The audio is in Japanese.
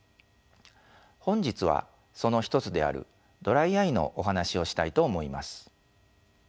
本日はその一つであるドライアイのお話をしたいと思います。